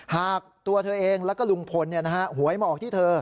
หากตัวเธอเองแล้วก็ลุงพลหวยมาออกที่เธอ